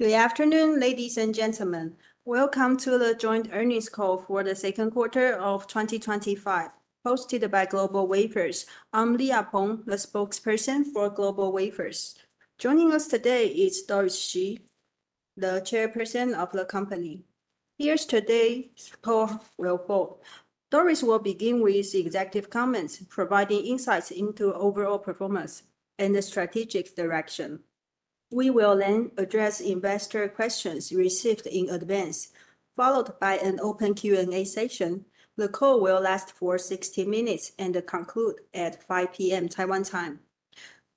Good afternoon, ladies and gentlemen. Welcome to the joint earnings call for the second quarter of 2025, hosted by GlobalWafers. I'm Leah Peng, the spokesperson for GlobalWafers. Joining us today is Doris Hsu, the Chairperson of the company. Here's today's call report. Doris will begin with executive comments, providing insights into overall performance and the strategic direction. We will then address investor questions received in advance, followed by an open Q&A session. The call will last for 60 minutes and conclude at 5:00 P.M. Taiwan time.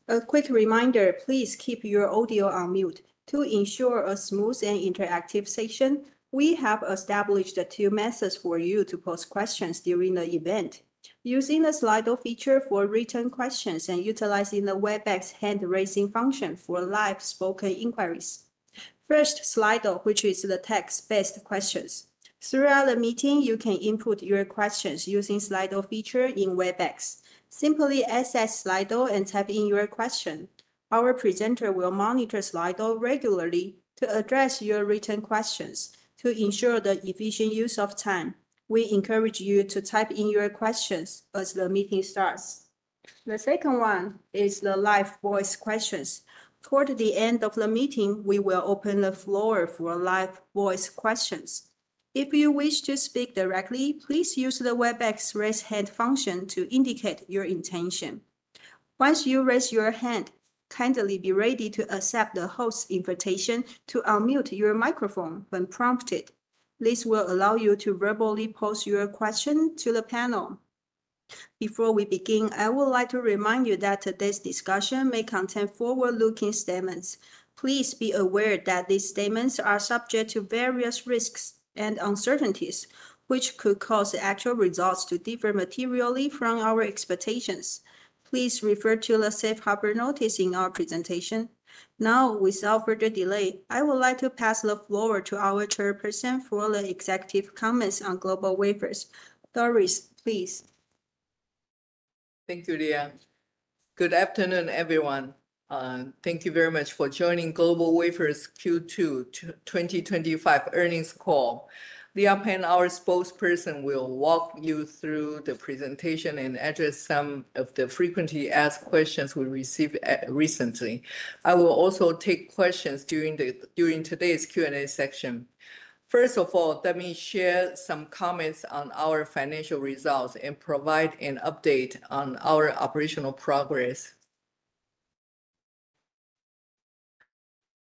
A quick reminder, please keep your audio on mute. To ensure a smooth and interactive session, we have established two methods for you to post questions during the event: using the Slido feature for written questions and utilizing the Webex hand-raising function for live spoken inquiries. First, Slido, which is the text-based questions Throughout the meeting, you can input your questions using the Slido feature in Webex. Simply access Slido and type in your question. Our presenter will monitor Slido regularly to address your written questions. To ensure the efficient use of time, we encourage you to type in your questions as the meeting starts. The second one is the live voice questions. Toward the end of the meeting, we will open the floor for live voice questions. If you wish to speak directly, please use the Webex raise hand function to indicate your intention. Once you raise your hand, kindly be ready to accept the host's invitation to unmute your microphone when prompted. This will allow you to verbally pose your question to the panel. Before we begin, I would like to remind you that today's discussion may contain forward-looking statements. Please be aware that these statements are subject to various risks and uncertainties, which could cause the actual results to differ materially from our expectations. Please refer to the safe harbor notice in our presentation. Now, without further delay, I would like to pass the floor to our Chairperson for the executive comments on GlobalWafers. Doris, please. Thank you, Leah. Good afternoon, everyone. Thank you very much for joining GlobalWafers Q2 2025 earnings call. Leah Peng, our spokesperson, will walk you through the presentation and address some of the frequently asked questions we received recently. I will also take questions during today's Q&A session. First of all, let me share some comments on our financial results and provide an update on our operational progress.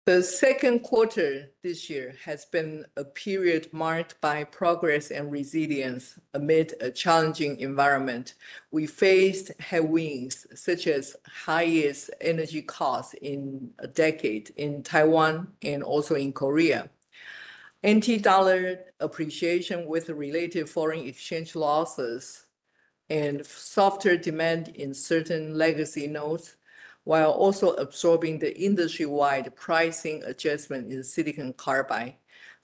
The second quarter this year has been a period marked by progress and resilience amid a challenging environment. We faced headwinds such as the highest energy cost in a decade in Taiwan and also in Korea, NT-dollar appreciation with related foreign exchange losses, and softer demand in certain legacy nodes, while also absorbing the industry-wide pricing adjustment in silicon carbide,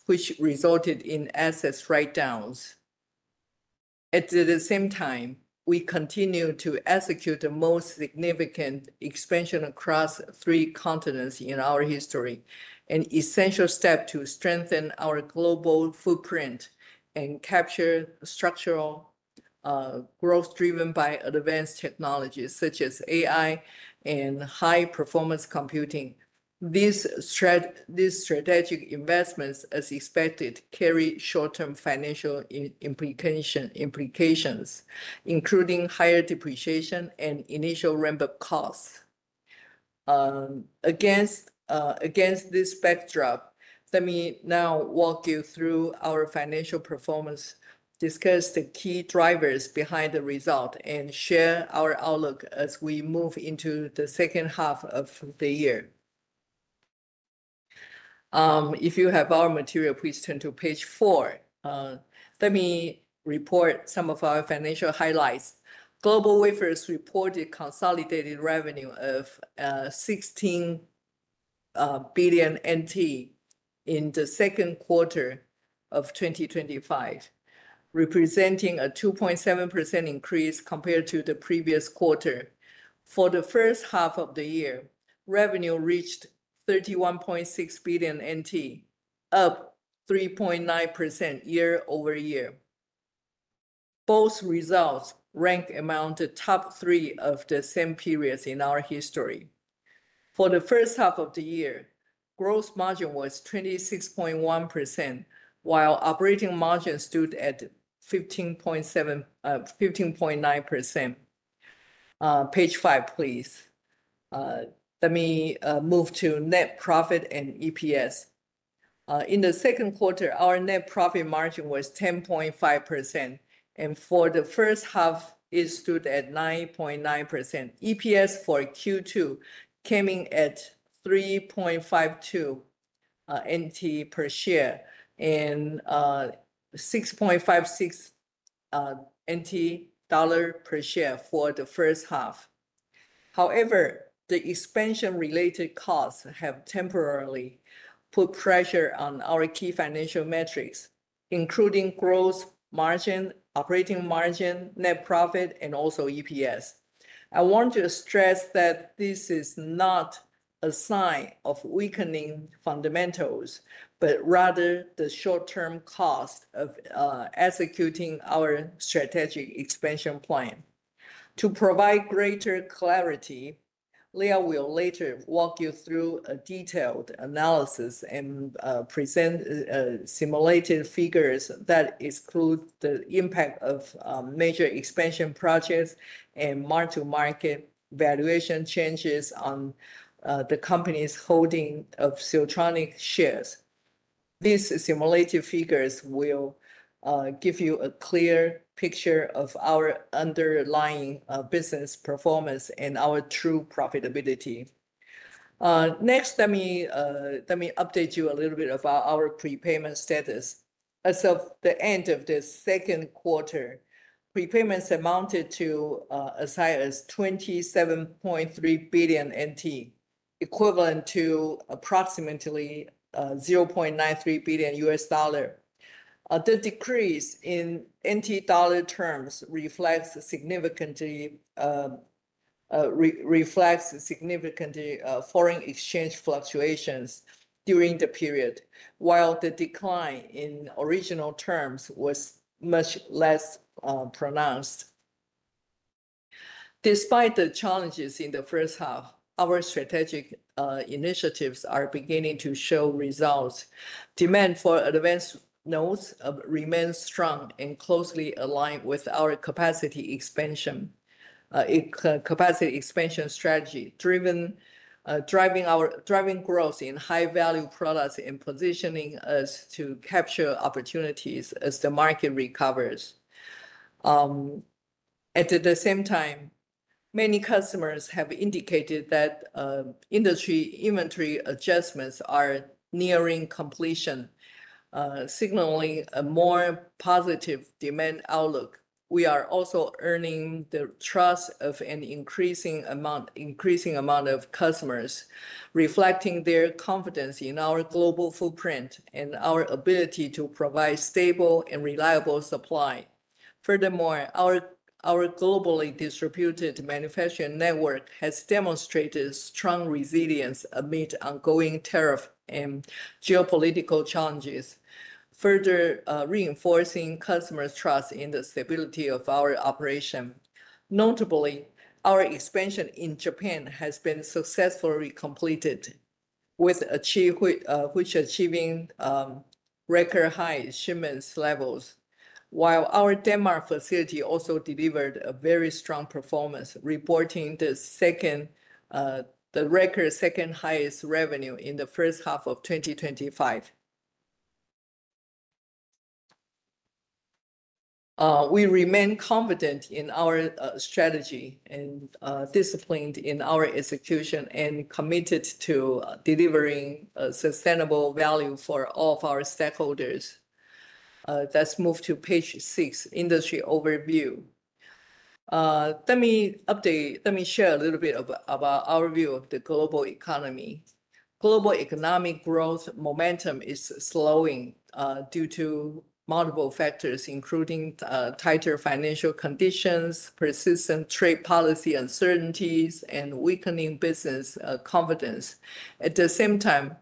which resulted in asset write-downs. At the same time, we continue to execute the most significant expansion across three continents in our history, an essential step to strengthen our global footprint and capture structural growth driven by advanced technologies such as AI and high-performance computing. These strategic investments, as expected, carry short-term financial implications, including higher depreciation and initial ramp-up costs. Against this backdrop, let me now walk you through our financial performance, discuss the key drivers behind the result, and share our outlook as we move into the second half of the year. If you have our material, please turn to page four. Let me report some of our financial highlights. GlobalWafers reported consolidated revenue of NT 16 billion in the second quarter of 2025, representing a 2.7% increase compared to the previous quarter. For the first half of the year, revenue reached NT 31.6 billion, up 3.9% year-over-year. Both results rank among the top three of the same period in our history. For the first half of the year, gross margin was 26.1%, while operating margin stood at 15.9%. Page five, please. Let me move to net profit and EPS. In the second quarter, our net profit margin was 10.5%, and for the first half, it stood at 9.9%. EPS for Q2 came in at NT 3.52 per share and NT$ 6.56 per share for the first half. However, the expansion-related costs have temporarily put pressure on our key financial metrics, including gross margin, operating margin, net profit, and also EPS. I want to stress that this is not a sign of weakening fundamentals, but rather the short-term cost of executing our strategic expansion plan. To provide greater clarity, Leah will later walk you through a detailed analysis and present simulated figures that exclude the impact of major expansion projects and mark-to-market valuation changes on the company's holding of Siltronic shares. These simulated figures will give you a clear picture of our underlying business performance and our true profitability. Next, let me update you a little bit about our prepayment status. As of the end of the second quarter, prepayments amounted to as high as NT 27.3 billion, equivalent to approximately $0.93 billion. The decrease in NT dollar terms reflects significant foreign exchange fluctuations during the period, while the decline in original terms was much less pronounced. Despite the challenges in the first half, our strategic initiatives are beginning to show results. Demand for advanced nodes remains strong and closely aligned with our capacity expansion strategy, driving growth in high-value products and positioning us to capture opportunities as the market recovers. At the same time, many customers have indicated that industry inventory adjustments are nearing completion, signaling a more positive demand outlook. We are also earning the trust of an increasing number of customers, reflecting their confidence in our global footprint and our ability to provide stable and reliable supply. Furthermore, our globally distributed manufacturing network has demonstrated strong resilience amid ongoing tariff and geopolitical challenges, further reinforcing customers' trust in the stability of our operation. Notably, our expansion in Japan has been successfully completed, achieving record-high shipment levels, while our Denmark facility also delivered a very strong performance, reporting the record second-highest revenue in the first half of 2025. We remain confident in our strategy and disciplined in our execution and committed to delivering sustainable value for all of our stakeholders. Let's move to page six, industry overview. Let me share a little bit about our view of the global economy. Global economic growth momentum is slowing due to multiple factors, including tighter financial conditions, persistent trade policy uncertainties, and weakening business confidence. At the same time,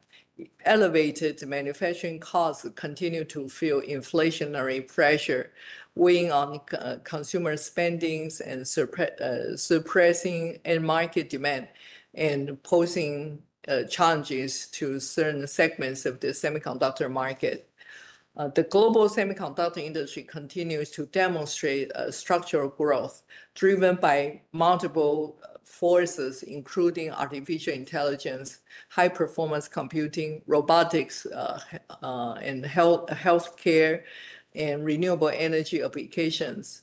elevated manufacturing costs continue to feel inflationary pressure, weighing on consumer spending and suppressing market demand and posing challenges to certain segments of the semiconductor market. The global semiconductor industry continues to demonstrate structural growth, driven by multiple forces, including artificial intelligence, high-performance computing, robotics, healthcare, and renewable energy applications.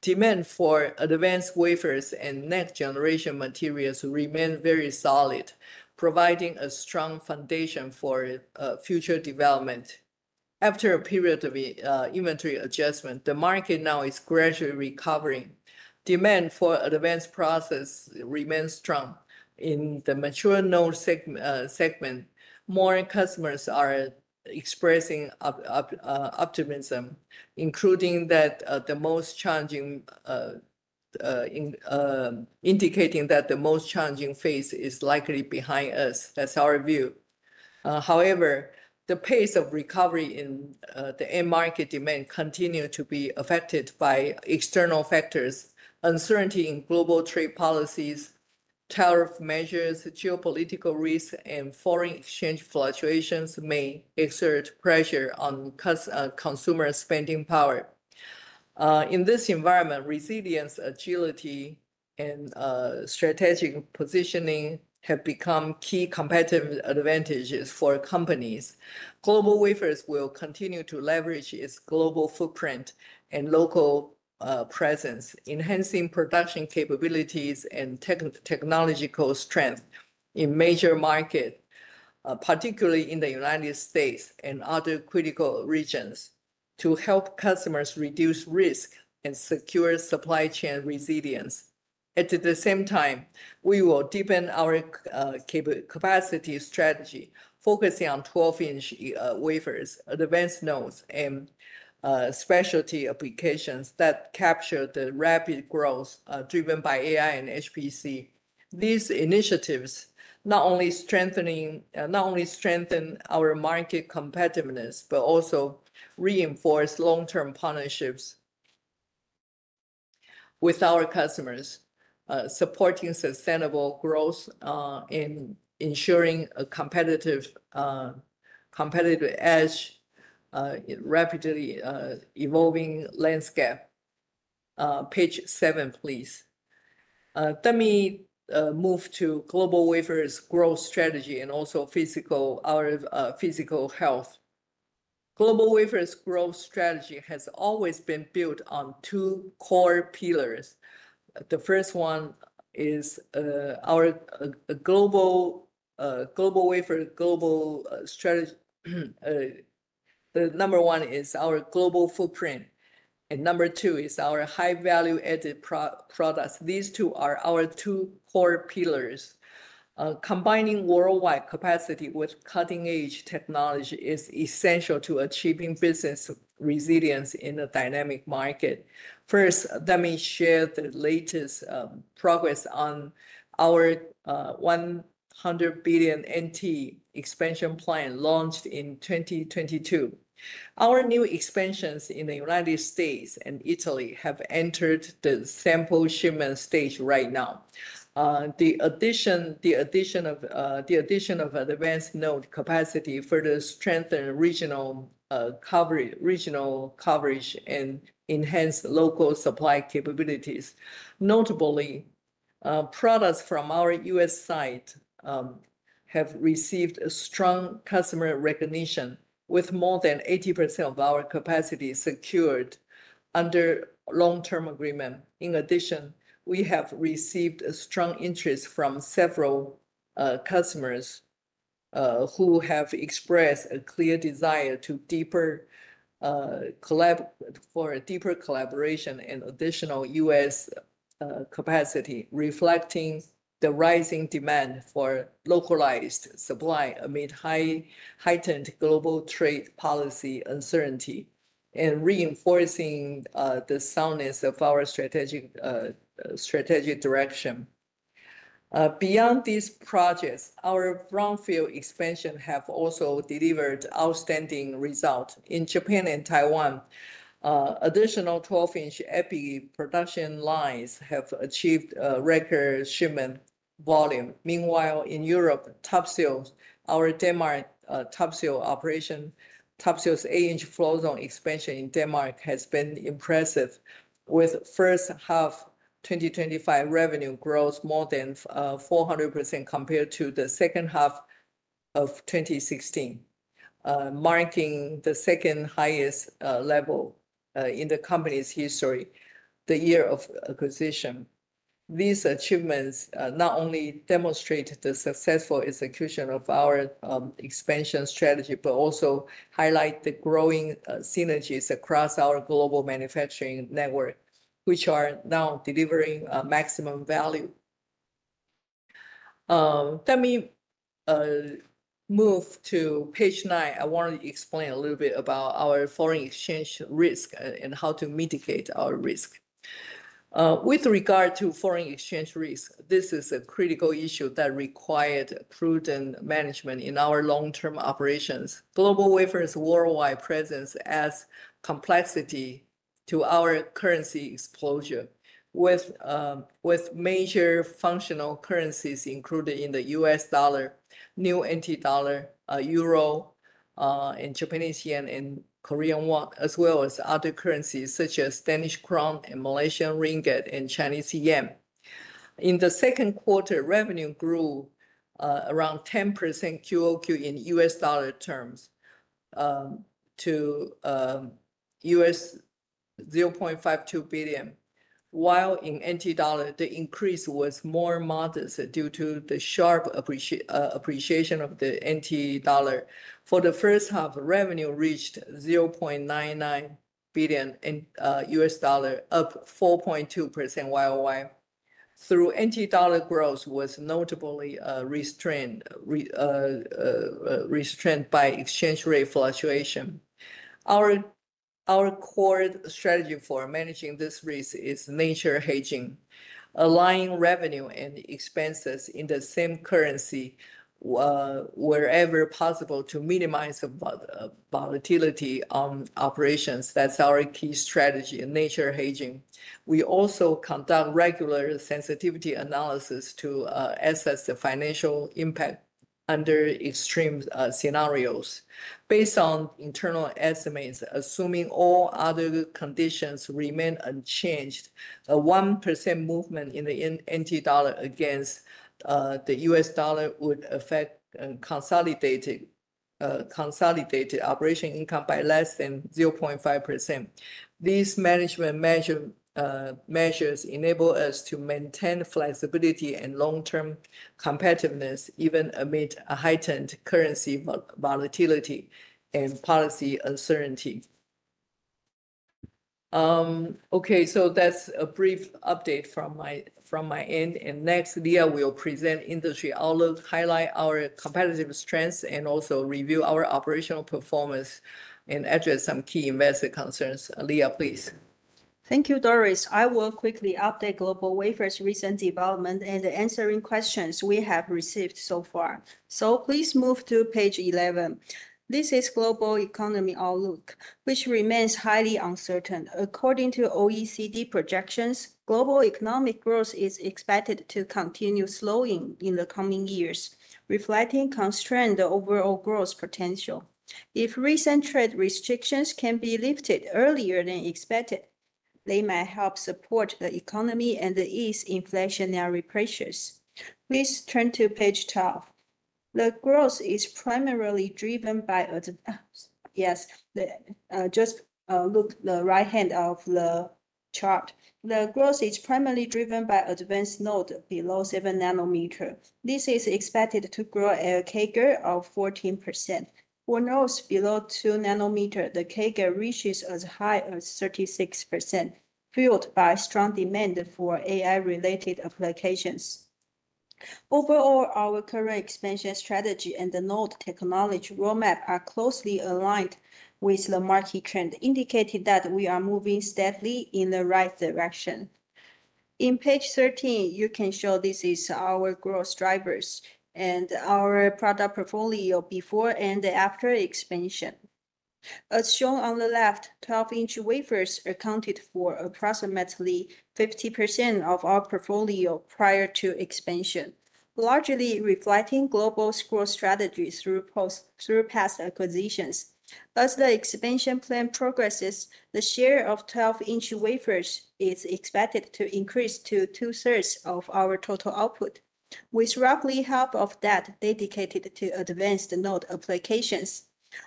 Demand for advanced wafers and next-generation materials remains very solid, providing a strong foundation for future development. After a period of inventory adjustment, the market now is gradually recovering. Demand for advanced processes remains strong. In the mature node segment, more customers are expressing optimism, including that the most challenging phase is likely behind us. That's our view. However, the pace of recovery in the end market demand continues to be affected by external factors. Uncertainty in global trade policies, tariff measures, geopolitical risks, and foreign exchange fluctuations may exert pressure on consumer spending power. In this environment, resilience, agility, and strategic positioning have become key competitive advantages for companies. GlobalWafers will continue to leverage its global footprint and local presence, enhancing production capabilities and technological strength in major markets, particularly in the United States and other critical regions, to help customers reduce risk and secure supply chain resilience. At the same time, we will deepen our capacity strategy, focusing on 12-inch wafers, advanced nodes, and specialty applications that capture the rapid growth driven by AI and HPC. These initiatives not only strengthen our market competitiveness but also reinforce long-term partnerships with our customers, supporting sustainable growth and ensuring a competitive edge in a rapidly evolving landscape. Page seven, please. Let me move to GlobalWafers' growth strategy and also our physical health. GlobalWafers' growth strategy has always been built on two core pillars. The first one is our GlobalWafers' global strategy. The number one is our global footprint, and number two is our high-value added products. These two are our two core pillars. Combining worldwide capacity with cutting-edge technology is essential to achieving business resilience in a dynamic market. First, let me share the latest progress on our $100 billion NT expansion plan launched in 2022. Our new expansions in the United States and Italy have entered the sample shipment stage right now. The addition of advanced node capacity further strengthens regional coverage and enhances local supply capabilities. Notably, products from our U.S. site have received strong customer recognition, with more than 80% of our capacity secured under long-term agreements. In addition, we have received strong interest from several customers who have expressed a clear desire for deeper collaboration and additional U.S. capacity, reflecting the rising demand for localized supply amid heightened global trade policy uncertainty and reinforcing the soundness of our strategic direction. Beyond these projects, our brownfield expansion has also delivered outstanding results. In Japan and Taiwan, additional 12-inch EPI production lines have achieved record shipment volume. Meanwhile, in Europe, our Denmark Topsil operation, topsil eight-inch float zone expansion in Denmark has been impressive, with first half 2025 revenue growth more than 400% compared to the second half of 2016, marking the second highest level in the company's history, the year of acquisition. These achievements not only demonstrate the successful execution of our expansion strategy but also highlight the growing synergies across our global manufacturing network, which are now delivering maximum value. Let me move to page nine. I want to explain a little bit about our foreign exchange risk and how to mitigate our risk. With regard to foreign exchange risk, this is a critical issue that required prudent management in our long-term operations. GlobalWafers' worldwide presence adds complexity to our currency exposure, with major functional currencies included in the U.S. dollar, New Taiwan dollar, euro, and Japanese yen, and Korean won, as well as other currencies such as Danish krone and Malaysian ringgit and Chinese yuan. In the second quarter, revenue grew around 10% quarter-over-quarter in U.S. dollar to $0.52 billion, while in NT dollar, the increase was more modest due to the sharp appreciation of the NT dollar. For the first half, revenue reached $0.99 billion, up 4.2% worldwide. Though NT dollar growth was notably restrained by exchange rate fluctuation. Our core strategy for managing this risk is natural hedging, aligning revenue and expenses in the same currency wherever possible to minimize volatility on operations. That's our key strategy, natural hedging. We also conduct regular sensitivity analysis to assess the financial impact under extreme scenarios. Based on internal estimates, assuming all other conditions remain unchanged, a 1% movement in the NT dollar against the U.S. dollar would affect consolidated operating income by less than 0.5%. These management measures enable us to maintain flexibility and long-term competitiveness, even amid heightened currency volatility and policy uncertainty. Okay, that's a brief update from my end. Next, Leah will present industry outlook, highlight our competitive strengths, review our operational performance, and address some key investor concerns. Leah, please. Thank you, Doris. I will quickly update GlobalWafers' recent development and answering questions we have received so far. Please move to page 11. This is global economy outlook, which remains highly uncertain. According to OECD projections, global economic growth is expected to continue slowing in the coming years, reflecting constrained overall growth potential. If recent trade restrictions can be lifted earlier than expected, they might help support the economy and ease inflationary pressures. Please turn to page 12. The growth is primarily driven by advanced. Yes, just look at the right hand of the chart. The growth is primarily driven by advanced nodes below seven nanometers. This is expected to grow at a CAGR of 14%. For nodes below two nanometers, the CAGR reaches as high as 36%, fueled by strong demand for AI-related applications. Overall, our current expansion strategy and the node technology roadmap are closely aligned with the market trend, indicating that we are moving steadily in the right direction. In page 13, you can show this is our growth drivers and our product portfolio before and after expansion. As shown on the left, 12-inch wafers accounted for approximately 50% of our portfolio prior to expansion, largely reflecting global growth strategies through past acquisitions. As the expansion plan progresses, the share of 12-inch wafers is expected to increase to two-thirds of our total output, with roughly half of that dedicated to advanced node applications.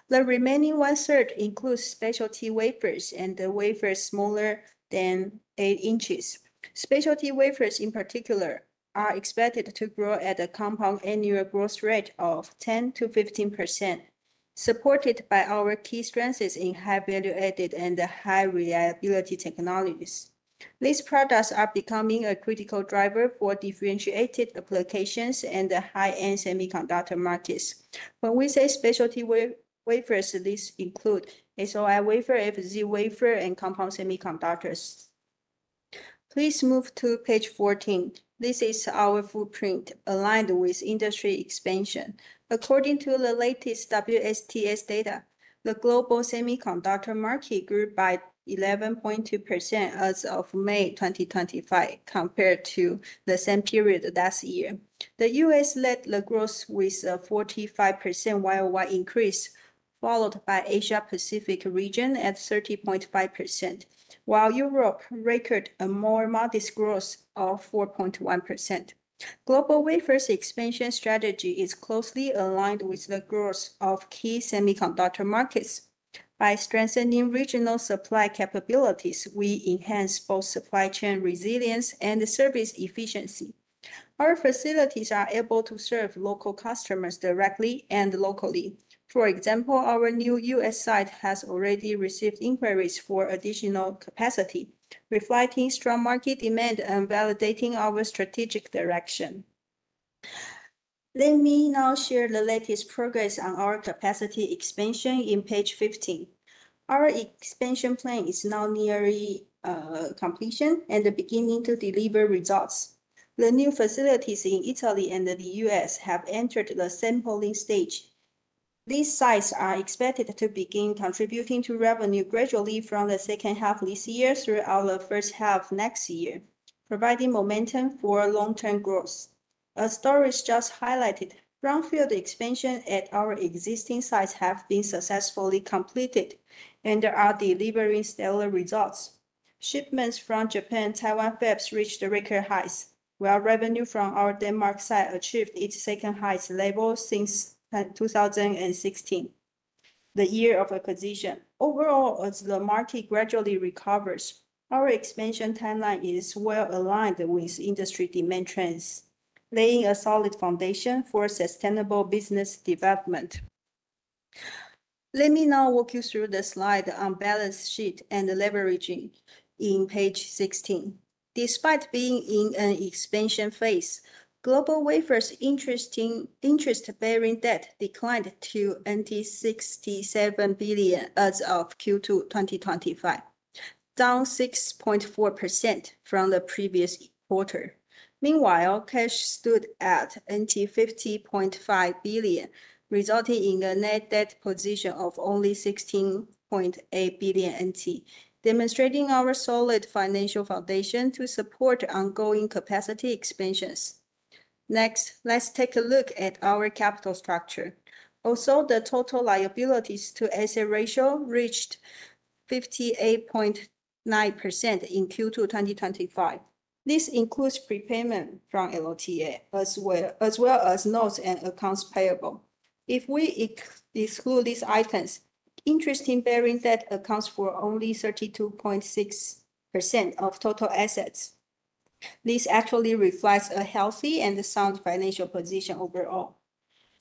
The remaining one-third includes specialty wafers and wafers smaller than eight inches. Specialty wafers, in particular, are expected to grow at a compound annual growth rate of 10%-15%, supported by our key strengths in high-value added and high-reliability technologies. These products are becoming a critical driver for differentiated applications in the high-end semiconductor markets. When we say specialty wafers, these include SOI wafers, FZ wafers, and compound semiconductors. Please move to page 14. This is our footprint aligned with industry expansion. According to the latest WSTS data, the global semiconductor market grew by 11.2% as of May 2025, compared to the same period last year. The U.S. led the growth with a 45% worldwide increase, followed by the Asia-Pacific region at 30.5%, while Europe recorded a more modest growth of 4.1%. GlobalWafers' expansion strategy is closely aligned with the growth of key semiconductor markets. By strengthening regional supply capabilities, we enhance both supply chain resilience and service efficiency. Our facilities are able to serve local customers directly and locally. For example, our new U.S. site has already received inquiries for additional capacity, reflecting strong market demand and validating our strategic direction. Let me now share the latest progress on our capacity expansion in page 15. Our expansion plan is now nearing completion and beginning to deliver results. The new facilities in Italy and the U.S. have entered the sampling stage. These sites are expected to begin contributing to revenue gradually from the second half of this year throughout the first half of next year, providing momentum for long-term growth. As Doris just highlighted, brownfield expansion at our existing sites has been successfully completed and is delivering stellar results. Shipments from Japan and Taiwan fabs reached record highs, while revenue from our Denmark site achieved its second highest level since 2016, the year of acquisition. Overall, as the market gradually recovers, our expansion timeline is well aligned with industry demand trends, laying a solid foundation for sustainable business development. Let me now walk you through the slide on balance sheet and leveraging in page 16. Despite being in an expansion phase, GlobalWafers' interest-bearing debt declined to NT 67 billion as of Q2 2025, down 6.4% from the previous quarter. Meanwhile, cash stood at NT 50.5 billion, resulting in a net debt position of only NT 16.8 billion, demonstrating our solid financial foundation to support ongoing capacity expansions. Next, let's take a look at our capital structure. Also, the total liabilities-to-asset ratio reached 58.9% in Q2 2025. This includes prepayment from LTA, as well as notes and accounts payable. If we exclude these items, interest-bearing debt accounts for only 32.6% of total assets. This actually reflects a healthy and sound financial position overall.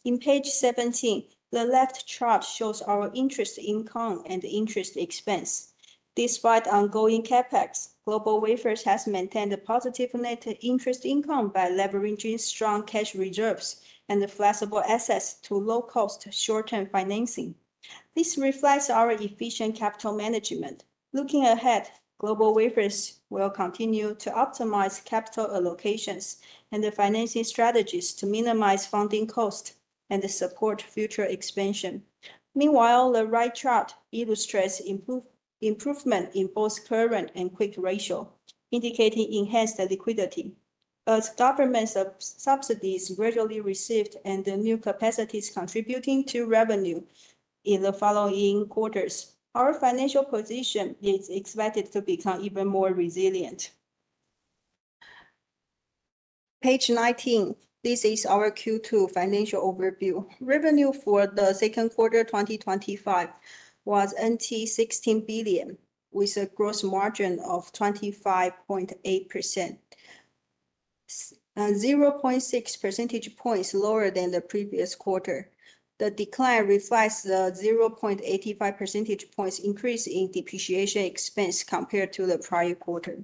In page 17, the left chart shows our interest income and interest expense. Despite ongoing CapEx, GlobalWafers has maintained a positive net interest income by leveraging strong cash reserves and flexible assets to low-cost short-term financing. This reflects our efficient capital management. Looking ahead, GlobalWafers will continue to optimize capital allocations and financing strategies to minimize funding costs and support future expansion. Meanwhile, the right chart illustrates improvement in both current and quick ratio, indicating enhanced liquidity. As government subsidies gradually receive and new capacities contribute to revenue in the following quarters, our financial position is expected to become even more resilient. Page 19. This is our Q2 financial overview. Revenue for the second quarter 2025 was NT 16 billion, with a gross margin of 25.8%, 0.6 percentage points lower than the previous quarter. The decline reflects the 0.85 percentage points increase in depreciation expense compared to the prior quarter.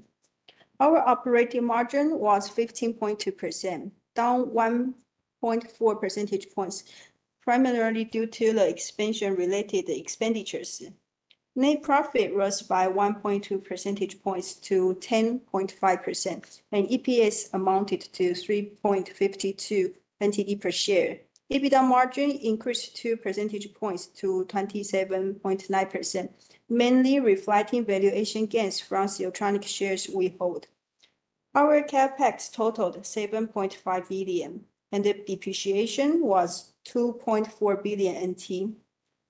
Our operating margin was 15.2%, down 1.4 percentage points, primarily due to the expansion-related expenditures. Net profit rose by 1.2 percentage points to 10.5%, and EPS amounted to NT 3.52 per share. EBITDA margin increased 2 percentage points to 27.9%, mainly reflecting valuation gains from Siltronic shares we hold. Our CapEx totaled NT 7.5 billion, and the depreciation was NT 2.4 billion,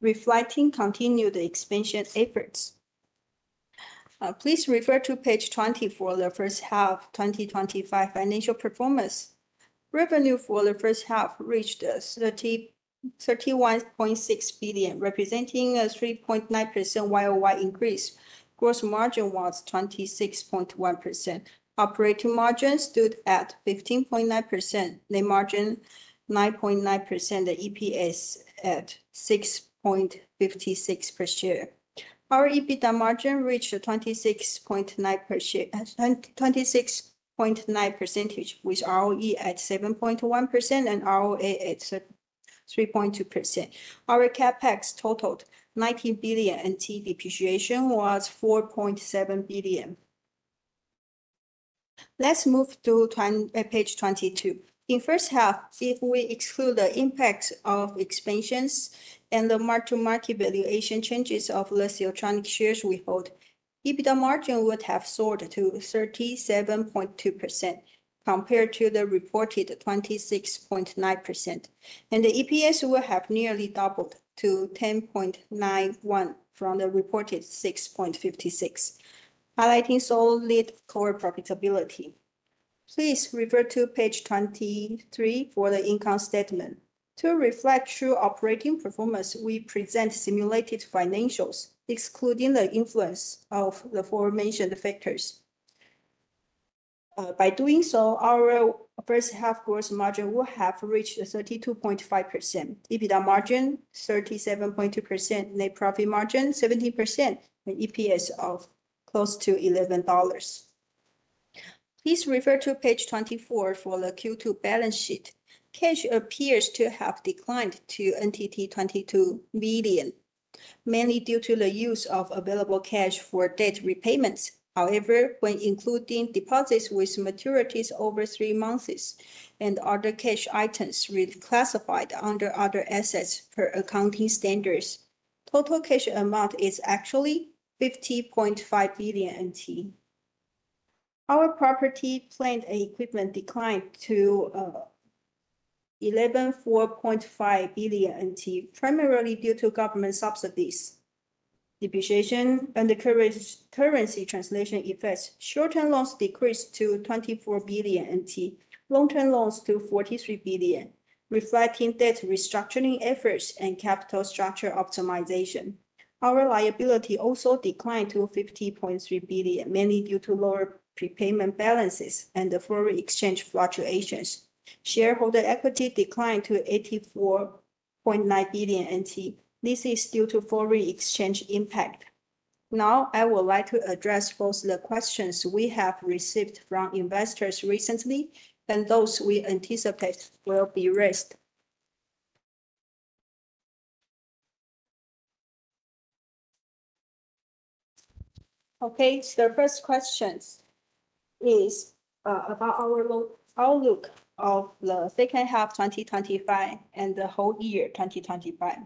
reflecting continued expansion efforts. Please refer to page 20 for the first half of 2025 financial performance. Revenue for the first half reached NT 31.6 billion, representing a 3.9% worldwide increase. Gross margin was 26.1%. Operating margin stood at 15.9%, net margin 9.9%, and EPS at NT 6.56 per share. Our EBITDA margin reached 26.9%, with ROE at 7.1% and ROA at 3.2%. Our CapEx totaled NT 19 billion, depreciation was NT 4.7 billion. Let's move to page 22. In the first half, if we exclude the impacts of expansions and the mark-to-market valuation changes of the Siltronic shares we hold, EBITDA margin would have soared to 37.2% compared to the reported 26.9%, and the EPS would have nearly doubled to NT 10.91 from the reported NT 6.56, highlighting solid core profitability. Please refer to page 23 for the income statement. To reflect true operating performance, we present simulated financials, excluding the influence of the aforementioned factors. By doing so, our first half gross margin would have reached 32.5%, EBITDA margin 37.2%, net profit margin 17%, and EPS of close to $11. Please refer to page 24 for the Q2 balance sheet. Cash appears to have declined to NT 22 billion, mainly due to the use of available cash for debt repayments. However, when including deposits with maturities over three months and other cash items reclassified under other assets per accounting standards, total cash amount is actually NT 50.5 billion. Our property, plant and equipment declined to NT 11.45 billion, primarily due to government subsidies, depreciation, and the currency translation effects. Short-term loans decreased to NT 24 billion, long-term loans to NT 43 billion, reflecting debt restructuring efforts and capital structure optimization. Our liability also declined to NT 50.3 billion, mainly due to lower repayment balances and the foreign exchange fluctuations. Shareholder equity declined to NT 84.9 billion. This is due to foreign exchange impact. Now, I would like to address first the questions we have received from investors recently and those we anticipate will be raised. Okay, so the first question is about our outlook of the second half of 2025 and the whole year 2025.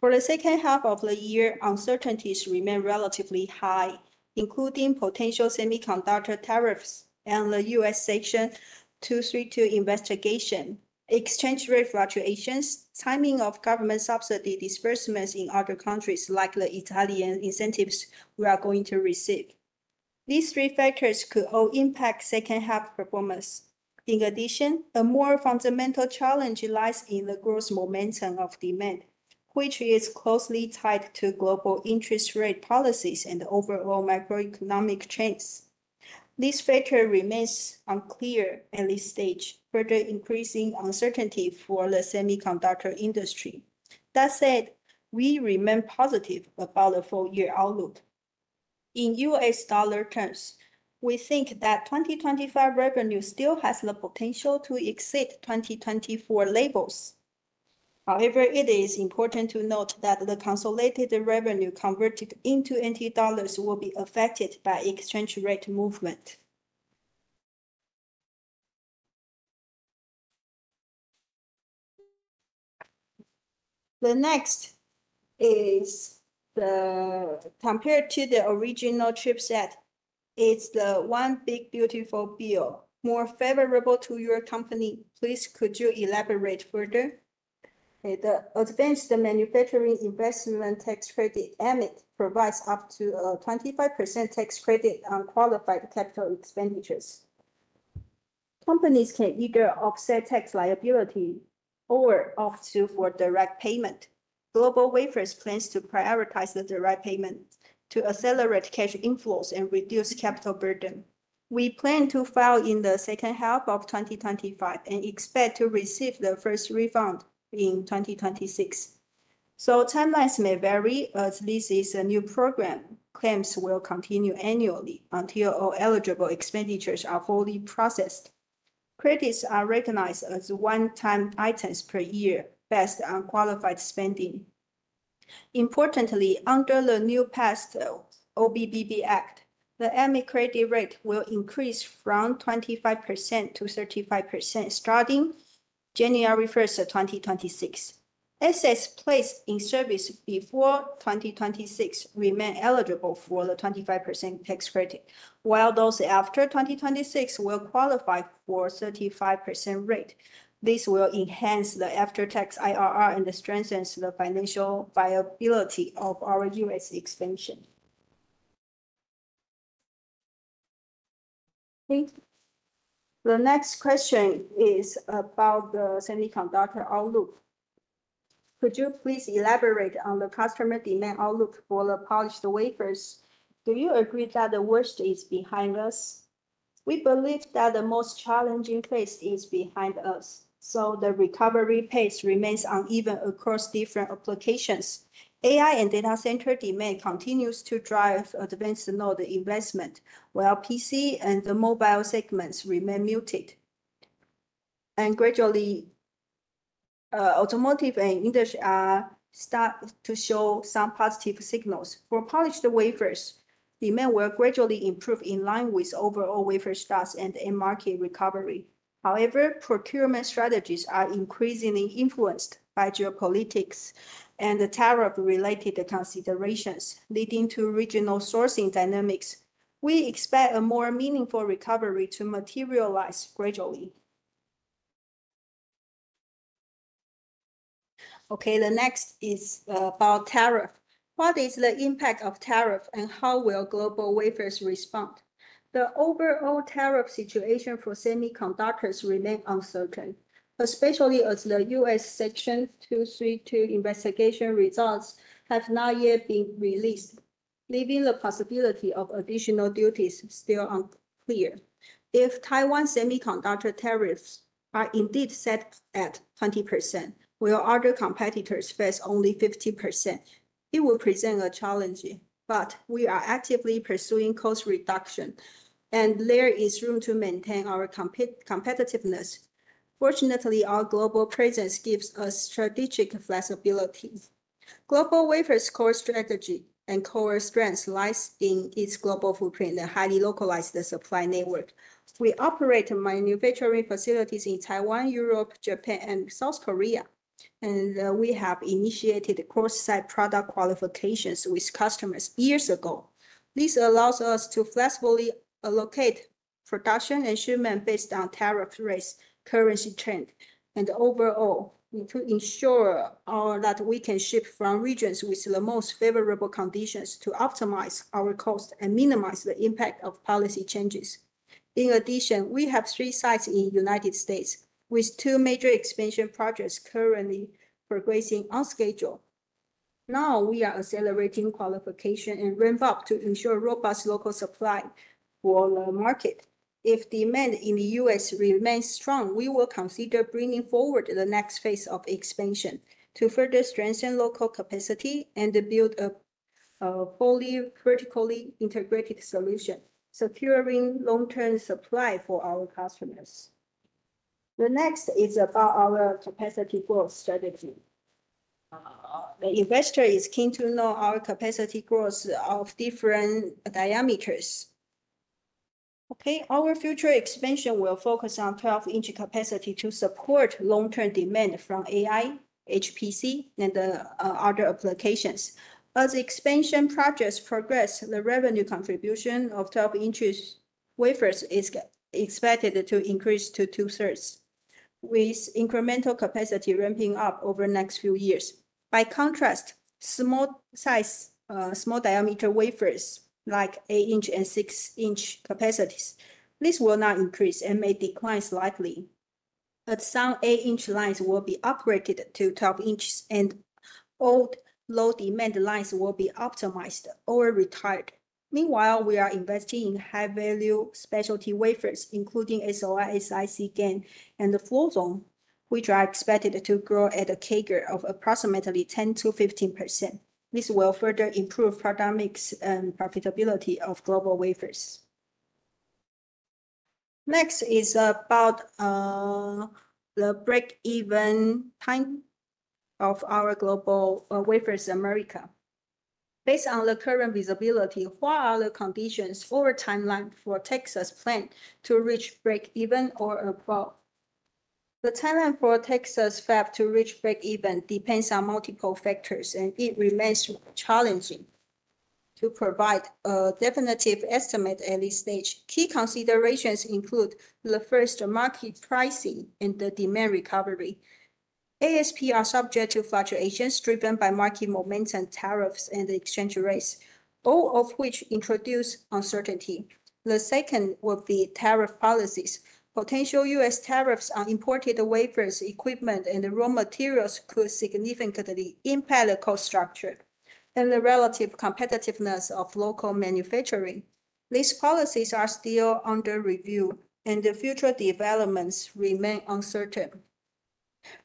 For the second half of the year, uncertainties remain relatively high, including potential semiconductor tariffs and the U.S. Section 232 investigation, exchange rate fluctuations, timing of government subsidy disbursements in other countries, like the Italian incentives we are going to receive. These three factors could all impact second half performance. In addition, a more fundamental challenge lies in the growth momentum of demand, which is closely tied to global interest rate policies and the overall macroeconomic trends. This factor remains unclear at this stage, further increasing uncertainty for the semiconductor industry. That said, we remain positive about the four-year outlook. In U.S. dollar terms, we think that 2025 revenue still has the potential to exceed 2024 levels. However, it is important to note that the consolidated revenue converted into NT dollars will be affected by exchange rate movement. The next is compared to the original chipset, it's the one big beautiful bill, more favorable to your company. Please, could you elaborate further? The Advanced Manufacturing Investment Tax Credit, AMIT, provides up to a 25% tax credit on qualified capital expenditures. Companies can either offset tax liability or opt for direct payment. GlobalWafers plans to prioritize the direct payment to accelerate cash inflows and reduce capital burden. We plan to file in the second half of 2025 and expect to receive the first refund in 2026. Timelines may vary as this is a new program. Claims will continue annually until all eligible expenditures are fully processed. Credits are recognized as one-time items per year, based on qualified spending. Importantly, under the new pass, the OBBB Act, the AMIT credit rate will increase from 25%-35% starting January 1st, 2026. Assets placed in service before 2026 remain eligible for the 25% tax credit, while those after 2026 will qualify for a 35% rate. This will enhance the after-tax IRR and strengthen the financial viability of our U.S. expansion. The next question is about the semiconductor outlook. Could you please elaborate on the customer demand outlook for the polished wafers? Do you agree that the worst is behind us? We believe that the most challenging phase is behind us, so the recovery pace remains uneven across different applications. AI and data center demand continues to drive advanced node investment, while PC and the mobile segments remain muted. Gradually, automotive and industry are starting to show some positive signals. For polished wafers, demand will gradually improve in line with overall wafer stocks and market recovery. However, procurement strategies are increasingly influenced by geopolitics and tariff-related considerations, leading to regional sourcing dynamics. We expect a more meaningful recovery to materialize gradually. The next is about tariff. What is the impact of tariff and how will GlobalWafers respond? The overall tariff situation for semiconductors remains uncertain, especially as the U.S. Section 232 investigation results have not yet been released, leaving the possibility of additional duties still unclear. If Taiwan semiconductor tariffs are indeed set at 20%, will other competitors face only 50%? It will present a challenge, but we are actively pursuing cost reduction, and there is room to maintain our competitiveness. Fortunately, our global presence gives us strategic flexibility. GlobalWafers' core strategy and core strengths lie in its global footprint and highly localized supply network. We operate manufacturing facilities in Taiwan, Europe, Japan, and South Korea, and we have initiated cross-site product qualifications with customers years ago. This allows us to flexibly allocate production and shipment based on tariff rates, currency trends, and overall to ensure that we can ship from regions with the most favorable conditions to optimize our cost and minimize the impact of policy changes. In addition, we have three sites in the United States, with two major expansion projects currently progressing on schedule. Now, we are accelerating qualification and ramp-up to ensure robust local supply for the market. If demand in the U.S. remains strong, we will consider bringing forward the next phase of expansion to further strengthen local capacity and build a fully vertically integrated solution, securing long-term supply for our customers. The next is about our capacity growth strategy. The investor is keen to know our capacity growth of different diameters. Okay, our future expansion will focus on 12-inch capacity to support long-term demand from AI, HPC, and other applications. As expansion projects progress, the revenue contribution of 12-inch wafers is expected to increase to two-thirds, with incremental capacity ramping up over the next few years. By contrast, small-sized, small diameter wafers like 8-inch and 6-inch capacities, this will not increase and may decline slightly. Some 8-inch lines will be upgraded to 12-inch, and old low-demand lines will be optimized or retired. Meanwhile, we are investing in high-value specialty wafers, including SOI, SiC, GaN, and the float zone, which are expected to grow at a CAGR of approximately 10%-15%. This will further improve the economics and profitability of GlobalWafers. Next is about the break-even time of our GlobalWafers America. Based on the current visibility, what are the conditions or timeline for Texas plans to reach break-even or above? The timeline for Texas fab to reach break-even depends on multiple factors, and it remains challenging to provide a definitive estimate at this stage. Key considerations include the first market pricing and the demand recovery. ASP are subject to fluctuations driven by market momentum, tariffs, and exchange rates, all of which introduce uncertainty. The second would be tariff policies. Potential U.S. tariffs on imported wafers, equipment, and raw materials could significantly impact the cost structure and the relative competitiveness of local manufacturing. These policies are still under review, and the future developments remain uncertain.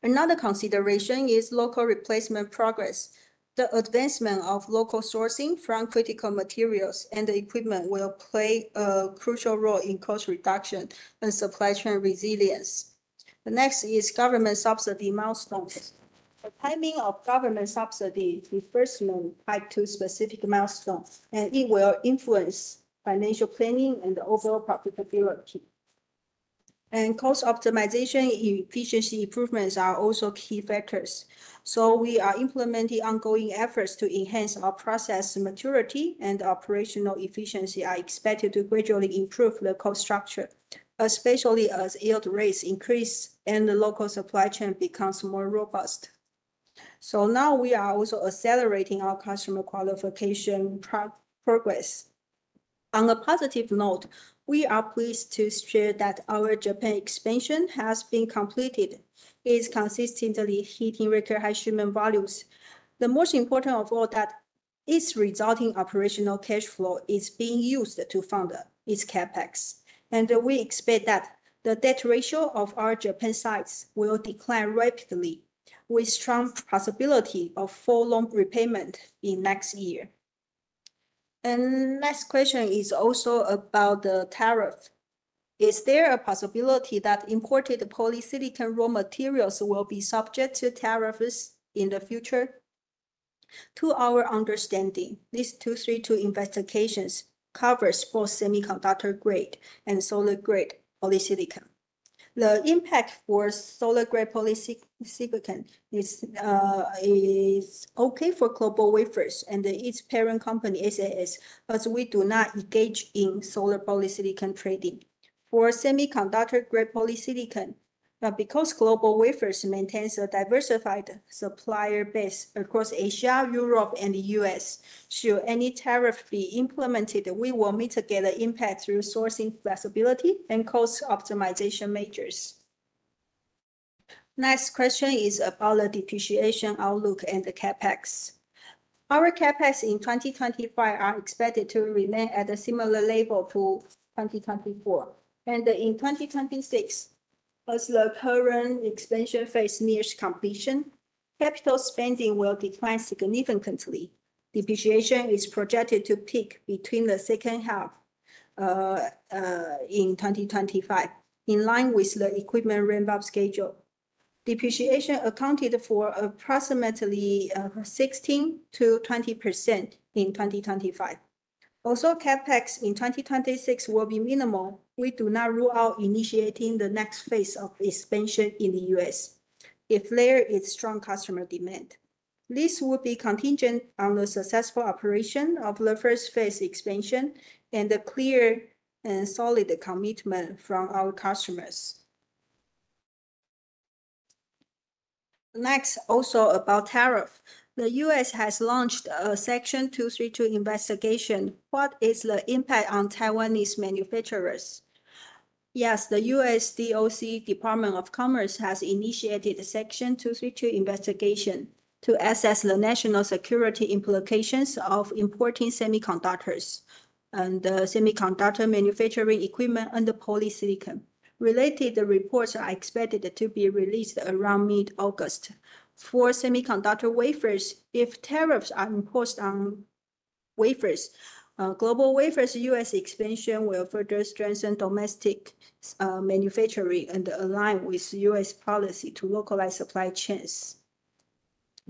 Another consideration is local replacement progress. The advancement of local sourcing from critical materials and equipment will play a crucial role in cost reduction and supply chain resilience. The next is government subsidy milestones. The timing of government subsidy reinforcement tied to specific milestones, and it will influence financial planning and overall profitability. Cost optimization and efficiency improvements are also key factors. We are implementing ongoing efforts to enhance our process. Maturity and operational efficiency are expected to gradually improve the cost structure, especially as yield rates increase and the local supply chain becomes more robust. We are also accelerating our customer qualification progress. On a positive note, we are pleased to share that our Japan expansion has been completed. It is consistently hitting record high shipment volumes. The most important of all is that its resulting operational cash flow is being used to fund its CapEx, and we expect that the debt ratio of our Japan sites will decline rapidly, with a strong possibility of full loan repayment in the next year. The next question is also about the tariff. Is there a possibility that imported polysilicon raw materials will be subject to tariffs in the future? To our understanding, these Section 232 investigations cover both semiconductor grade and solid grade polysilicon. The impact for solid grade polysilicon is okay for GlobalWafers and its parent company SAS, as we do not engage in solid polysilicon trading. For semiconductor grade polysilicon, because GlobalWafers maintains a diversified supplier base across Asia, Europe, and the U.S., should any tariff be implemented, we will mitigate the impact through sourcing flexibility and cost optimization measures. The next question is about the depreciation outlook and the CapEx. Our CapEx in 2025 is expected to remain at a similar level to 2024, and in 2026, as the current expansion phase nears completion, capital spending will decline significantly. Depreciation is projected to peak between the second half in 2025, in line with the equipment ramp-up schedule. Depreciation accounted for approximately 16%-20% in 2025. Although CapEx in 2026 will be minimal, we do not rule out initiating the next phase of expansion in the U.S. if there is strong customer demand. This would be contingent on the successful operation of the first phase expansion and the clear and solid commitment from our customers. Next, also about tariff. The U.S. has launched a Section 232 investigation. What is the impact on Taiwanese manufacturers? Yes, the U.S. DOC, Department of Commerce has initiated a Section 232 investigation to assess the national security implications of importing semiconductors and semiconductor manufacturing equipment under polysilicon. Related reports are expected to be released around mid-August. For semiconductor wafers, if tariffs are imposed on wafers, GlobalWafers' U.S. expansion will further strengthen domestic manufacturing and align with U.S. policy to localize supply chains.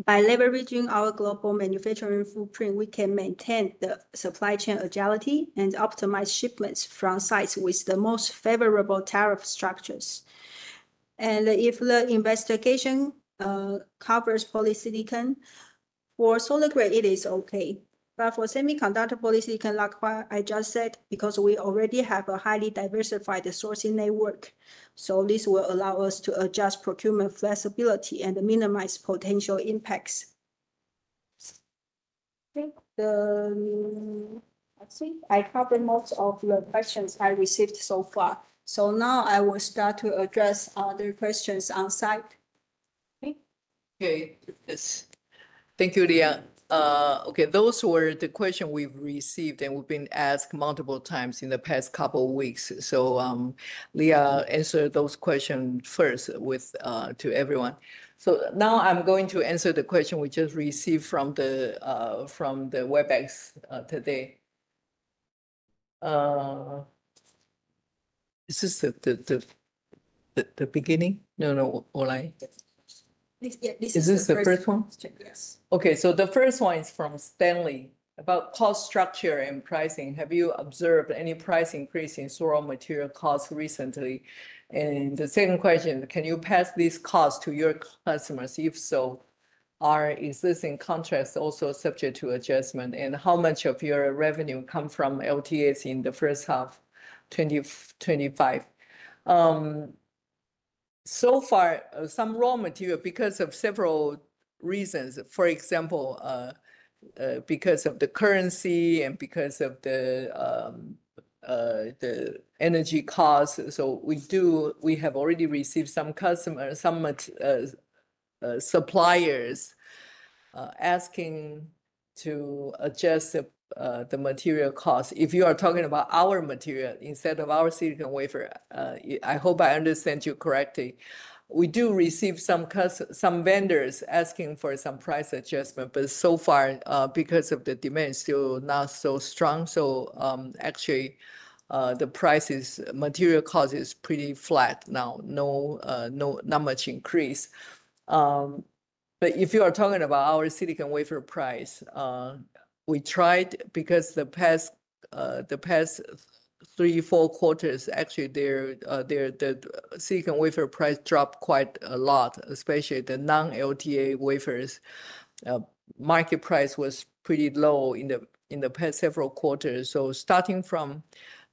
By leveraging our global manufacturing footprint, we can maintain the supply chain agility and optimize shipments from sites with the most favorable tariff structures. If the investigation covers polysilicon, for solid grade it is okay, but for semiconductor polysilicon, like I just said, because we already have a highly diversified sourcing network, this will allow us to adjust procurement flexibility and minimize potential impacts. I think I covered most of the questions I received so far. I will start to address other questions on site. Okay, thank you, Leah. Those were the questions we've received and we've been asked multiple times in the past couple of weeks. Leah answered those questions first to everyone. Now I'm going to answer the question we just received from the Webex today. Is this the beginning? No, no, no. Is this the first one? Yes. The first one is from Stanley about cost structure and pricing. Have you observed any price increase in raw material costs recently? The second question, can you pass these costs to your customers? If so, is this in contrast also subject to adjustment? How much of your revenue comes from LTAs in the first half of 2025? So far, some raw material because of several reasons. For example, because of the currency and because of the energy costs. We have already received some suppliers asking to adjust the material costs. If you are talking about our material instead of our silicon wafer, I hope I understand you correctly. We do receive some vendors asking for some price adjustment, but so far, because the demand is still not so strong, the material cost is pretty flat now. Not much increase. If you are talking about our silicon wafer price, we tried because the past three, four quarters, actually the silicon wafer price dropped quite a lot, especially the non-LTA wafers. Market price was pretty low in the past several quarters. Starting from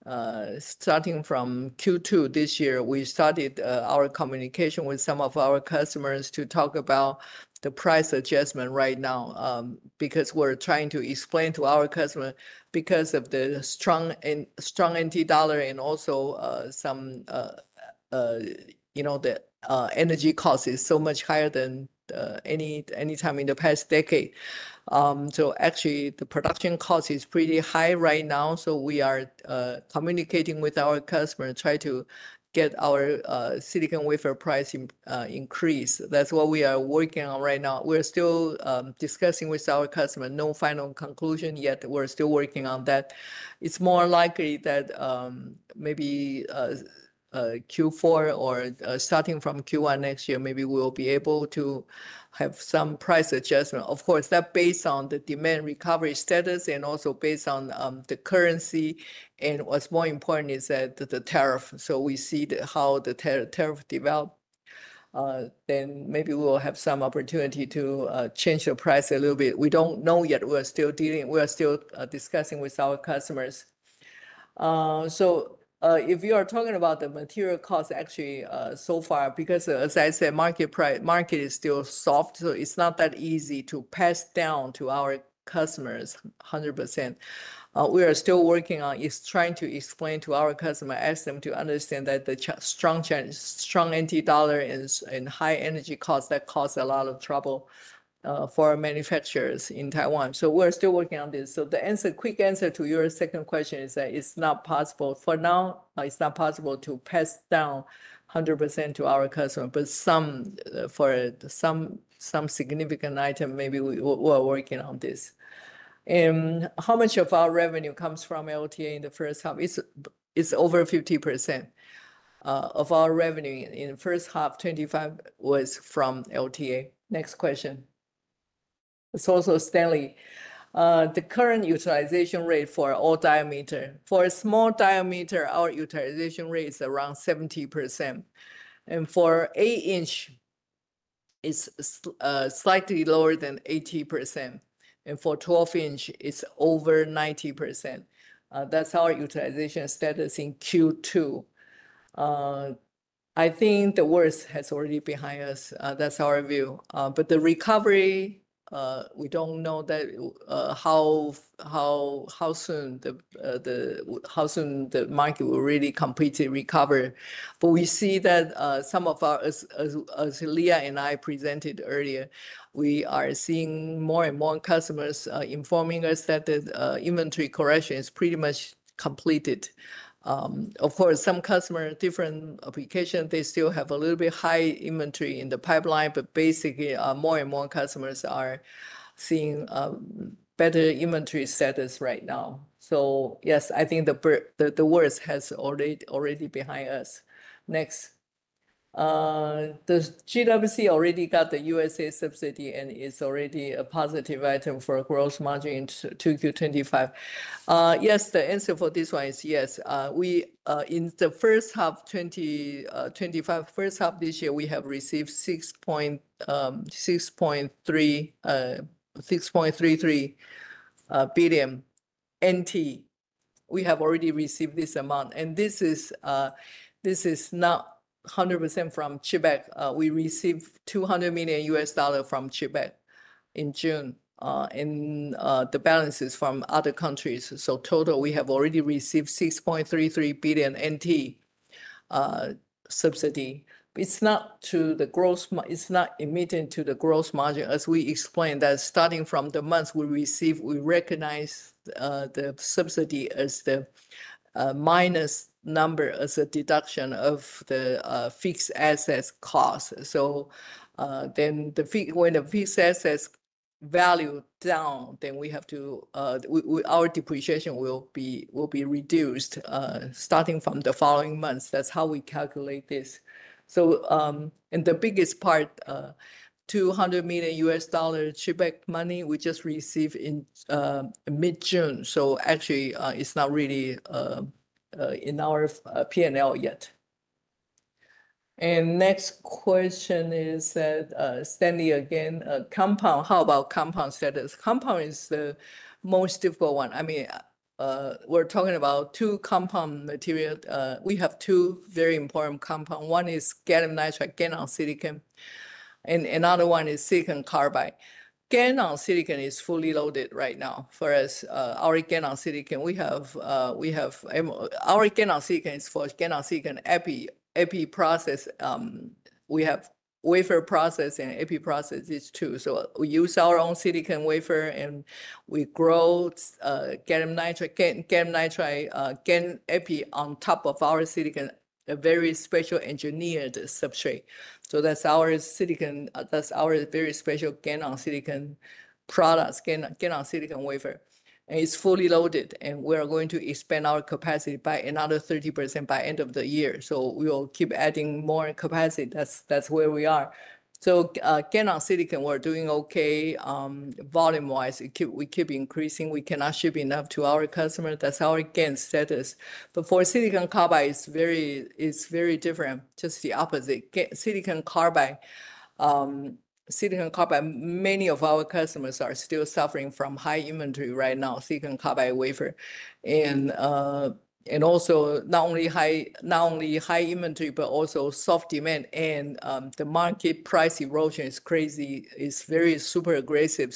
Q2 this year, we started our communication with some of our customers to talk about the price adjustment right now because we're trying to explain to our customers because of the strong NT dollar and also the energy cost is so much higher than any time in the past decade. The production cost is pretty high right now. We are communicating with our customers to try to get our silicon wafer price increased. That's what we are working on right now. We are still discussing with our customers. No final conclusion yet. We're still working on that. It's more likely that maybe Q4 or starting from Q1 next year, maybe we'll be able to have some price adjustment. Of course, that's based on the demand recovery status and also based on the currency. What's more important is the tariff. We see how the tariff develops. Maybe we'll have some opportunity to change the price a little bit. We don't know yet. We're still dealing, we're still discussing with our customers. If you are talking about the material cost, actually, so far, because as I said, the market is still soft, so it's not that easy to pass down to our customers 100%. We are still working on trying to explain to our customers, ask them to understand that the strong NT dollar and high energy costs cause a lot of trouble for our manufacturers in Taiwan. We're still working on this. The quick answer to your second question is that it's not possible for now. It's not possible to pass down 100% to our customers, but for some significant items, maybe we're working on this. How much of our revenue comes from long-term agreements in the first half? It's over 50% of our revenue in the first half. 25% was from long-term agreements. Next question. It's also Stanley. The current utilization rate for all diameters. For small diameter, our utilization rate is around 70%. For 8-inch, it's slightly lower than 80%. For 12-inch, it's over 90%. That's our utilization status in Q2. I think the worst has already been behind us. That's our view. The recovery, we don't know how soon the market will really completely recover. We see that some of our, as Leah and I presented earlier, we are seeing more and more customers informing us that the inventory collection is pretty much completed. Of course, some customers, different applications, they still have a little bit high inventory in the pipeline, but basically, more and more customers are seeing better inventory status right now. Yes, I think the worst has already been behind us. Next. GWC already got the U.S. subsidy and is already a positive item for gross margin in Q2 2025. Yes, the answer for this one is yes. In the first half of 2025, first half of this year, we have received NT$6.33 billion. We have already received this amount. This is not 100% from the CHIPS Act. We received $200 million from the CHIPS Act in June. The balance is from other countries. Total, we have already received NT 6.33 billion subsidy. It's not to the gross, it's not admitting to the gross margin. As we explained, starting from the months we receive, we recognize the subsidy as the minus number as a deduction of the fixed assets cost. When the fixed assets value down, then our depreciation will be reduced, starting from the following months. That's how we calculate this. The biggest part, $200 million CHIPS Act money, we just received in mid-June. Actually, it's not really in our P&L yet. Next question is that Stanley again, compound. How about compound status? Compound is the most difficult one. I mean, we're talking about two compound materials. We have two very important compounds. One is gallium nitride gallium silicon, and another one is silicon carbide. Gallium silicon is fully loaded right now for us. Our gallium silicon, we have, our gallium silicon is for gallium silicon epi process. We have wafer process and epi process, these two. We use our own silicon wafer and we grow gallium nitride epi on top of our silicon, a very special engineered substrate. That's our silicon, that's our very special gallium silicon products, gallium silicon wafer. It's fully loaded. We are going to expand our capacity by another 30% by the end of the year. We will keep adding more capacity. That's where we are. Gallium silicon, we're doing okay volume-wise. We keep increasing. We cannot ship enough to our customers. That's our GaN status. For silicon carbide, it's very different, just the opposite. Silicon carbide, many of our customers are still suffering from high inventory right now, silicon carbide wafer. Not only high inventory, but also soft demand. The market price erosion is crazy. It's very super aggressive.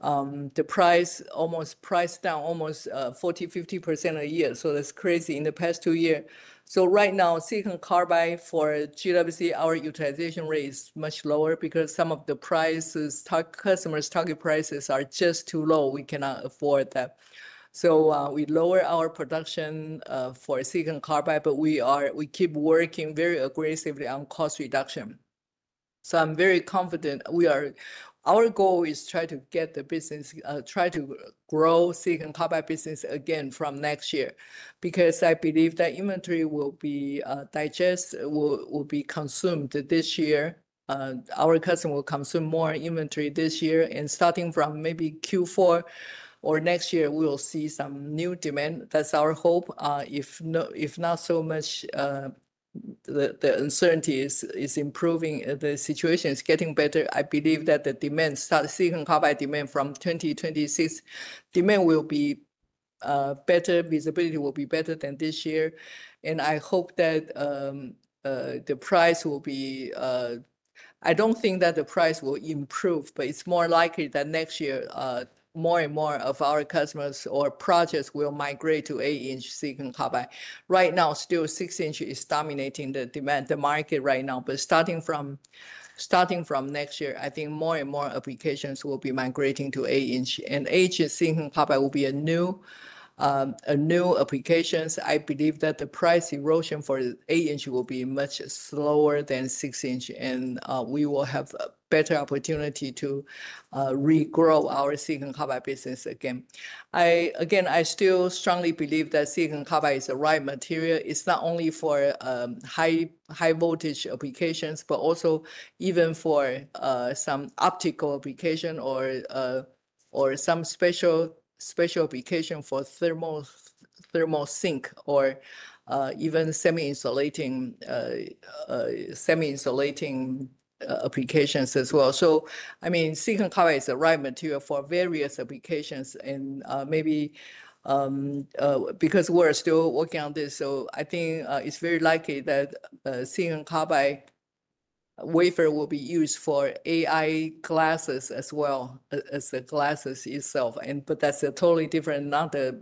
The price almost priced down almost 40%-50% a year. That's crazy in the past two years. Right now, silicon carbide for GWC, our utilization rate is much lower because some of the prices, customer's target prices are just too low. We cannot afford that. We lowered our production for silicon carbide, but we keep working very aggressively on cost reduction. I'm very confident we are, our goal is to try to get the business, try to grow silicon carbide business again from next year because I believe that inventory will be digested, will be consumed this year. Our customer will consume more inventory this year. Starting from maybe Q4 or next year, we will see some new demand. That's our hope. If not so much, the uncertainty is improving. The situation is getting better. I believe that the demand, silicon carbide demand from 2026, demand will be better, visibility will be better than this year. I hope that the price will be, I don't think that the price will improve, but it's more likely that next year, more and more of our customers or projects will migrate to eight-inch silicon carbide. Right now, still six-inch is dominating the demand, the market right now. Starting from next year, I think more and more applications will be migrating to eight-inch. Eight-inch silicon carbide will be a new application. I believe that the price erosion for eight-inch will be much slower than six-inch, and we will have a better opportunity to regrow our silicon carbide business again. I still strongly believe that silicon carbide is the right material. It's not only for high-voltage applications, but also even for some optical application or some special application for thermal sink or even semi-insulating applications as well. Silicon carbide is the right material for various applications. Maybe because we're still working on this, I think it's very likely that silicon carbide wafer will be used for AI glasses as well as the glasses itself. That's a totally different, not the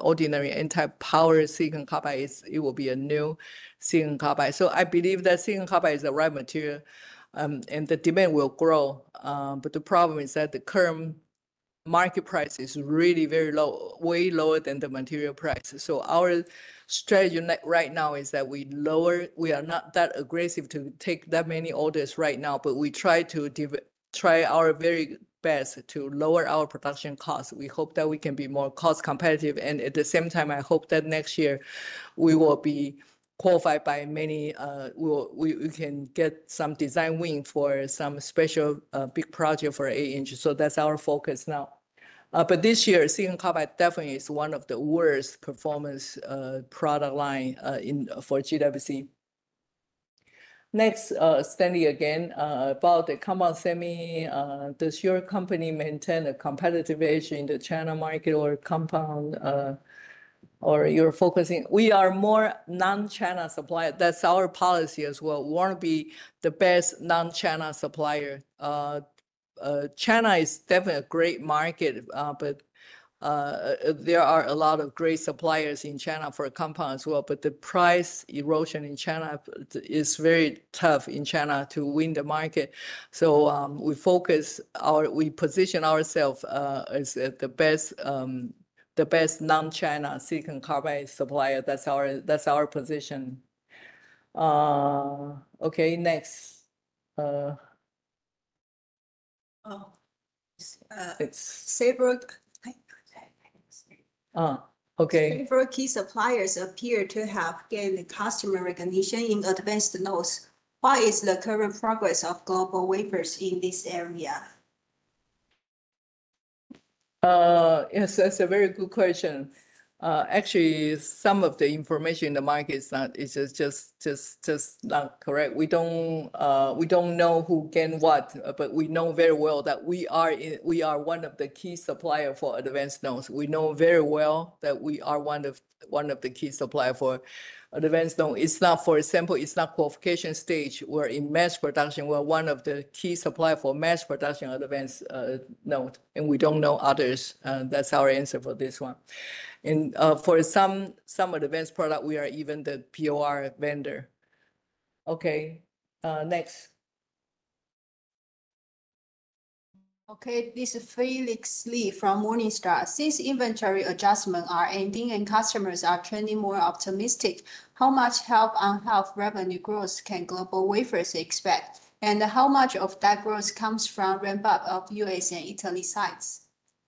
ordinary N-type power silicon carbide. It will be a new silicon carbide. I believe that silicon carbide is the right material, and the demand will grow. The problem is that the current market price is really very low, way lower than the material price. Our strategy right now is that we are not that aggressive to take that many orders right now, but we try our very best to lower our production costs. We hope that we can be more cost-competitive. At the same time, I hope that next year we will be qualified by many, we can get some design wins for some special big projects for eight-inch. That's our focus now. This year, silicon carbide definitely is one of the worst-performing product lines for GWC. Next, Stanley again, about the compound semi, does your company maintain a competitive edge in the China market or compound, or you're focusing? We are more non-China supplier. That's our policy as well. We want to be the best non-China supplier. China is definitely a great market, but there are a lot of great suppliers in China for a compound as well. The price erosion in China is very tough in China to win the market. We focus, we position ourselves as the best non-China silicon carbide supplier. That's our position. Okay, next. Several key suppliers appear to have gained customer recognition in advanced nodes. What is the current progress of GlobalWafers in this area? Yes, that's a very good question. Actually, some of the information in the market is just not correct. We don't know who gained what, but we know very well that we are one of the key suppliers for advanced nodes. For example, it's not qualification stage. We're in mass production. We're one of the key suppliers for mass production advanced nodes. We don't know others. That's our answer for this one. For some advanced products, we are even the POR vendor. Okay, next. Okay, this is Felix Lee from Morningstar. Since inventory adjustments are ending and customers are trending more optimistic, how much half on half revenue growth can GlobalWafers expect? How much of that growth comes from ramp-up of U.S. and Italy sites?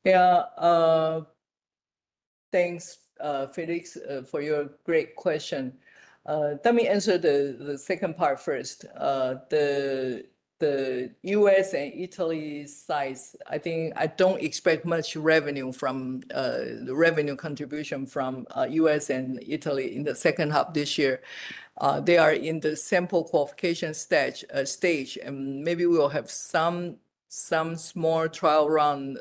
Yeah, thanks, Felix, for your great question. Let me answer the second part first. The U.S. and Italy sites, I think I don't expect much revenue from the revenue contribution from U.S. and Italy in the second half of this year. They are in the sample qualification stage. Maybe we'll have some small trial run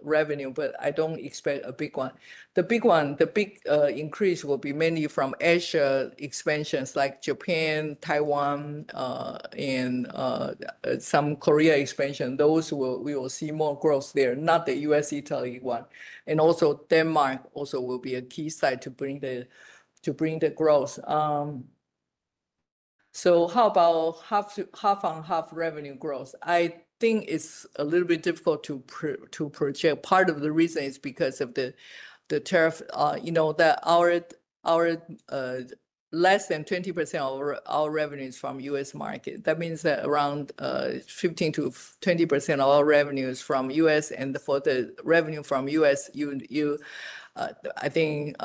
revenue, but I don't expect a big one. The big one, the big increase will be mainly from Asia expansions like Japan, Taiwan, and some Korea expansion. We will see more growth there, not the U.S.-Italy one. Denmark also will be a key site to bring the growth. How about half on half revenue growth? I think it's a little bit difficult to project. Part of the reason is because of the tariff. You know that less than 20% of our revenue is from the U.S. market. That means that around 15%-20% of our revenue is from the U.S. For the revenue from the U.S., I think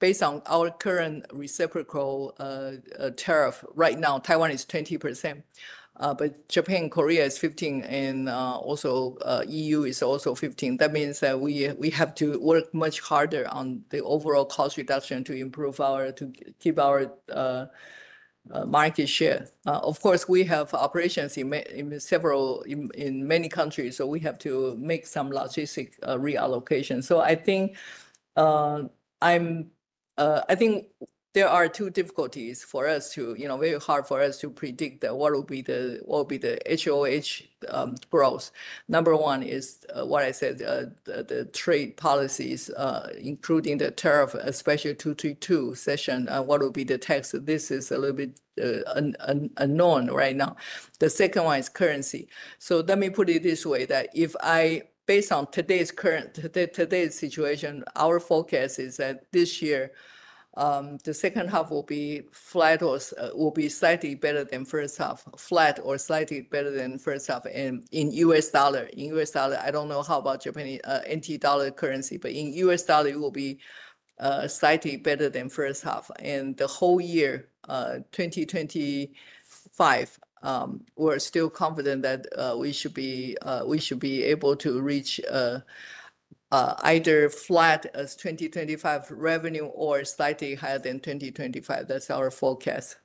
based on our current reciprocal tariff right now, Taiwan is 20%. Japan, Korea is 15%, and also the EU is also 15%. That means that we have to work much harder on the overall cost reduction to improve our market share. Of course, we have operations in many countries, so we have to make some logistic reallocation. I think there are two difficulties for us to, you know, very hard for us to predict what will be the HoH growth. Number one is what I said, the trade policies, including the tariff, especially Section 232. What will be the tax? This is a little bit unknown right now. The second one is currency. Let me put it this way, that if I, based on today's current, today's situation, our forecast is that this year, the second half will be flat or will be slightly better than the first half, flat or slightly better than the first half. In U.S. dollar, in U.S. dollar, I don't know how about NT dollar currency, but in U.S. dollar, it will be slightly better than the first half. The whole year, 2025, we're still confident that we should be able to reach either flat as 2025 revenue or slightly higher than 2025. That's our forecast.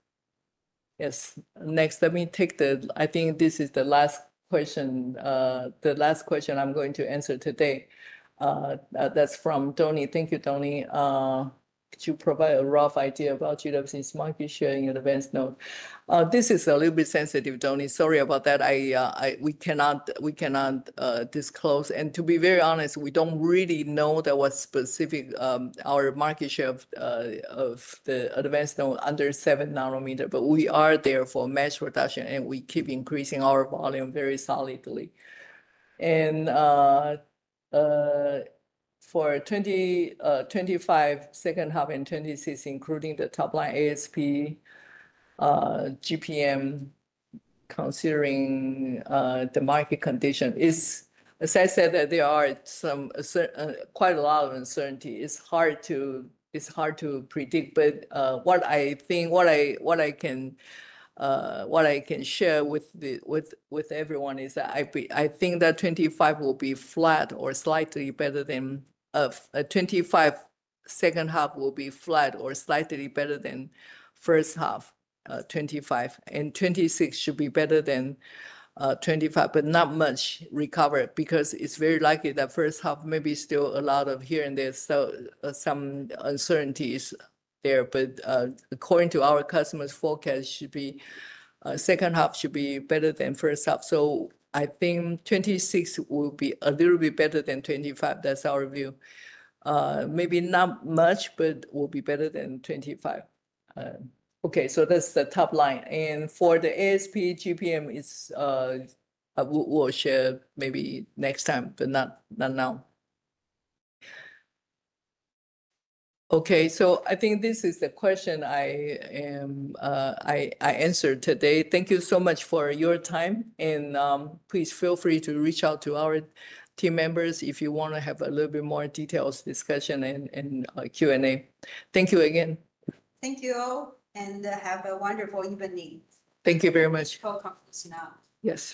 Yes, next, let me take the, I think this is the last question, the last question I'm going to answer today. That's from Doni. Thank you, Doni. Could you provide a rough idea about GWC's market share in advanced node? This is a little bit sensitive, Doni. Sorry about that. We cannot disclose. To be very honest, we don't really know what specific our market share of the advanced node is under seven nanometers, but we are there for mass production, and we keep increasing our volume very solidly. For 2025, second half, and 2026, including the top line ASP, GPM, considering the market condition, as I said, there are quite a lot of uncertainty. It's hard to predict, but what I think, what I can share with everyone is that I think that 2025 will be flat or slightly better than 2025. Second half will be flat or slightly better than the first half, 2025. 2026 should be better than 2025, but not much recovered because it's very likely that the first half may be still a lot of here and there. Some uncertainty is there, but according to our customers' forecast, the second half should be better than the first half. I think 2026 will be a little bit better than 2025. That's our view. Maybe not much, but it will be better than 2025. That's the top line. For the ASP, GPM, we'll share maybe next time, but not now. I think this is the question I answered today. Thank you so much for your time, and please feel free to reach out to our team members if you want to have a little bit more detailed discussion and Q&A. Thank you again. Thank you all, and have a wonderful evening. Thank you very much. Conference call now. Yes.